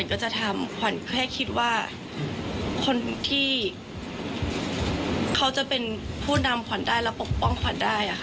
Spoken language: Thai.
ก็จะทำขวัญแค่คิดว่าคนที่เขาจะเป็นผู้นำขวัญได้แล้วปกป้องขวัญได้ค่ะ